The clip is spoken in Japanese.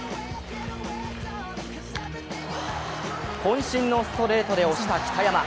こん身のストレートで押した北山。